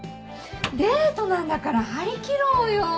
デートなんだから張り切ろうよ。